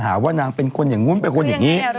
หาว่านางเป็นคนอย่างนู้นเป็นคนอย่างนี้